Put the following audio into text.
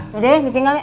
udah deh ditinggalin